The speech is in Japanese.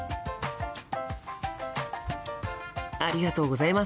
ありがとうございます。